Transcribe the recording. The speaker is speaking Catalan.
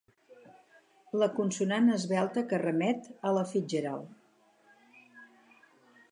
La consonant esvelta que remet a la Fitzgerald.